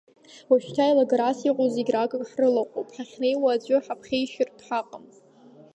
Уажәшьҭа еилагарас иҟоу зегь ракак ҳрылаҟоуп, ҳахьнеиуа аӡәы ҳаԥхеишьартә ҳаҟам!